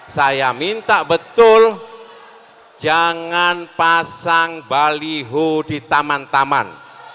saya minta betul jangan pasang baliho di taman taman